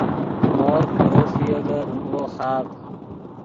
ہورغ پرو ݰوئے اےگے رونغو خاڤد